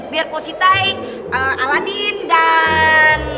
biar positai aladin dan